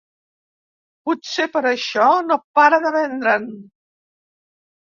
Potser per això no para de vendre'n.